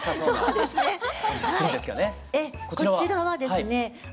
ええこちらはですね